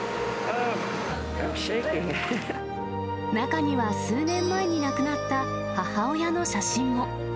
中には数年前に亡くなった母親の写真も。